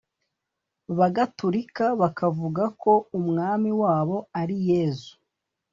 bagatolika bakavuga ko umwami wabo ari "Yezu";